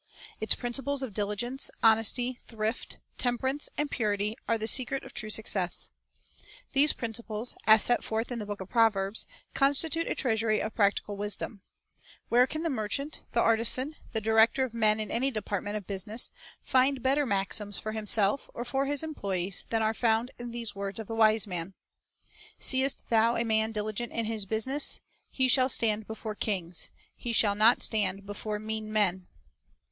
Its principles of diligence, honesty, thrift, temperance, and purity are the secret of true success. These principles, as set forth in the book of Proverbs, constitute a treasury of practical wisdom. Where can Manual the merchant, the artisan, the director of men in any department of business, find better maxims for himself or for his employees than are found in these words of the wise man :— "Seest thou a man diligent in his business? he shall stand before kings; he shall not stand before mean men."